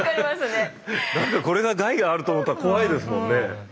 これが害があると思ったら怖いですもんね。